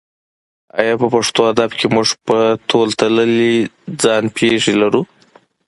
ایا په پښتو ادب کې موږ په تول تللې ځان پېښې لرو؟